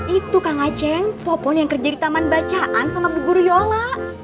itu kang aceng popon yang kerja di taman bacaan sama bubur yola